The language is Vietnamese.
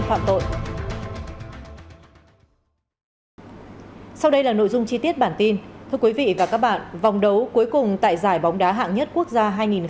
thưa quý vị và các bạn vòng đấu cuối cùng tại giải bóng đá hạng nhất quốc gia hai nghìn hai mươi ba